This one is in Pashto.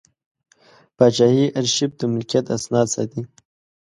پاچاهي ارشیف د ملکیت اسناد ساتي.